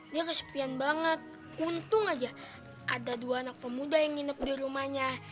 dia kesepian banget untung aja ada dua anak pemuda yang nginep di rumahnya